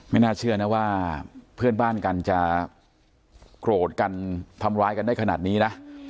น่าเชื่อนะว่าเพื่อนบ้านกันจะโกรธกันทำร้ายกันได้ขนาดนี้นะ